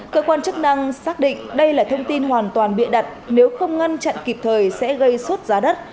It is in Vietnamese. cơ quan chức năng xác định đây là thông tin hoàn toàn bịa đặt nếu không ngăn chặn kịp thời sẽ gây suốt giá đất